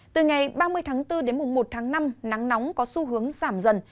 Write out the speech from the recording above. từ ngày ba mươi tháng bốn đến mùng một tháng năm nắng nóng có xu hướng giảm dần